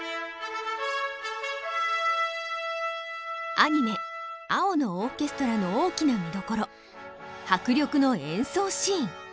アニメ「青のオーケストラ」の大きな見どころ迫力の演奏シーン。